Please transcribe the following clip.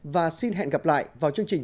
và xin hẹn gặp lại vào chương trình